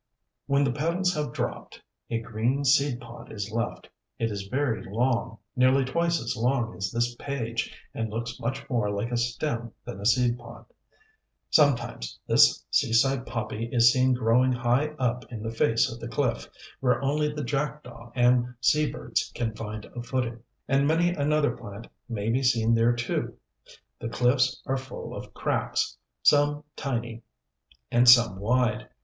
When the petals have dropped, a green seed pod is left. It is very long nearly twice as long as this page and looks much more like a stem than a seed pod. Sometimes this seaside poppy is seen growing high up the face of the cliff, where only the jackdaw and sea birds can find a footing; and many another plant may be seen there too. The cliffs are full of cracks, some tiny and some wide.